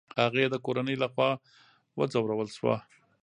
هغې د کورنۍ له خوا وځورول شوه.